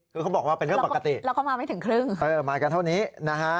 คือเขาบอกว่าเป็นเรื่องปกติแล้วก็มาไม่ถึงครึ่งเออมากันเท่านี้นะฮะ